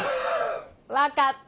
分かった。